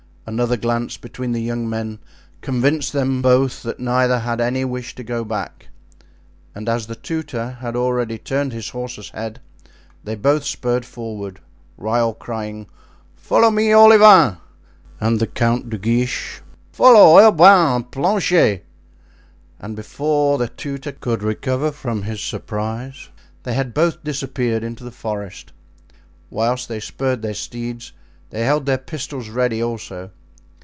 Another glance between the young men convinced them both that neither had any wish to go back, and as the tutor had already turned his horse's head, they both spurred forward, Raoul crying: "Follow me, Olivain!" and the Count de Guiche: "Follow, Urban and Planchet!" And before the tutor could recover from his surprise they had both disappeared into the forest. Whilst they spurred their steeds they held their pistols ready also.